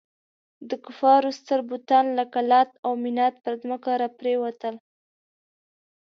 د کفارو ستر بتان لکه لات او منات پر ځمکه را پرېوتل.